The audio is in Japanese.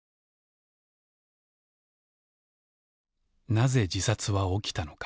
なぜ自殺は起きたのか。